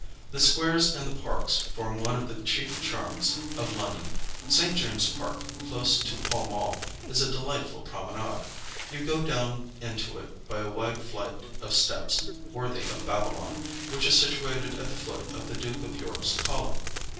i V A DAY IN LONDON 57 The squares and the parks form one of the chief charms of London. St. James's Park, close to Pall Mall, is a de lightful promenade. You go down into it by a wide flight of steps, worthy of Babylon, which is situated at the foot of the Duke of York's Column.